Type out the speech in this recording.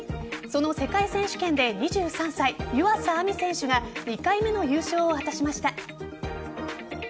その世界選手権で２３歳、湯浅亜実選手が２回目の優勝を果たしました。